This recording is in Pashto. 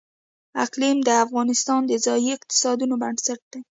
اقلیم د افغانستان د ځایي اقتصادونو بنسټ دی.